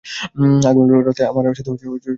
আগামীকাল রাতে আবার আমার সাথে ডিনার করবে?